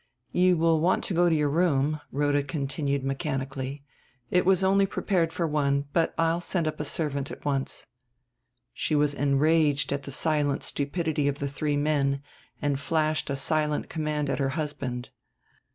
"You will want to go to your room," Rhoda continued mechanically. "It was only prepared for one, but I'll send a servant up at once." She was enraged at the silent stupidity of the three men and flashed a silent command at her husband.